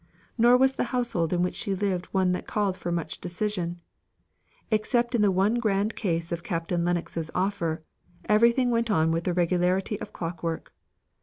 Nor was the household in which she lived one that called for much decision. Except in the one grand case of Captain Lennox's offer, everything went on with the regularity of clockwork.